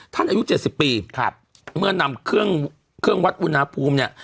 อายุเจ็ดสิบปีครับเมื่อนำเครื่องเครื่องวัดอุณหภูมิเนี่ย